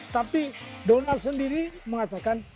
tapi donald sendiri mengatakan